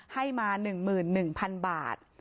ให้มา๑๑๐๐๐บาท